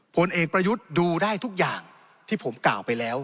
ผลเอกประยุทธ์ดูได้ทุกอย่างที่ผมกล่าวไปแล้ว